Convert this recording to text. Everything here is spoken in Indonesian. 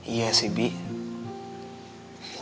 iya sih bibi